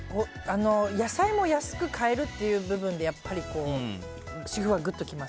野菜も安く買えるという部分で主婦はグッときます。